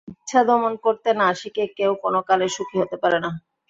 ইচ্ছা দমন করতে না শিখে কেউ কোনো কালে সুখী হতে পারে না।